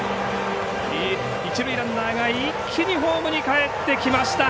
一塁ランナーが一気にホームにかえってきました。